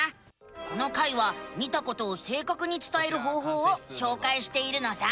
この回は見たことをせいかくにつたえる方法をしょうかいしているのさ。